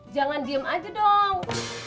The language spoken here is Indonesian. jangan diem aja dong